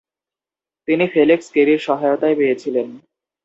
তিনি ফেলিক্স কেরির সহায়তা পেয়েছিলেন ।